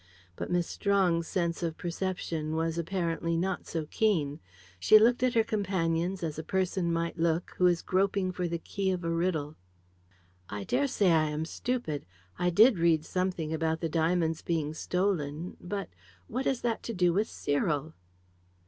But Miss Strong's sense of perception was, apparently, not so keen. She looked at her companions as a person might look who is groping for the key of a riddle. "I daresay I am stupid. I did read something about some diamonds being stolen. But what has that to do with Cyril?"